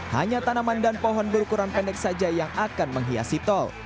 hanya tanaman dan pohon berukuran pendek saja yang akan menghiasi tol